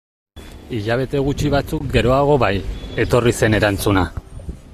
Hilabete gutxi batzuk geroago bai, etorri zen erantzuna.